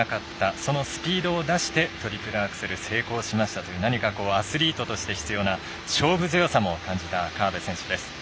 そのスピードを出してトリプルアクセル成功したという何か、アスリートとして必要な勝負強さを感じた河辺選手です。